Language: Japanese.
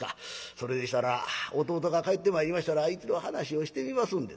それでしたら弟が帰ってまいりましたら一度話をしてみますんで』。